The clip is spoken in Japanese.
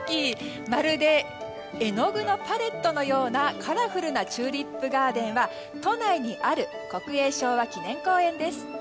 まるで絵の具のパレットのようなカラフルなチューリップガーデンは都内にある国営昭和記念公園です。